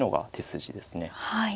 はい。